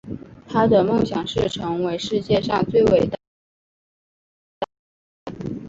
他的梦想是成为世界上最伟大的宝可梦饲育家。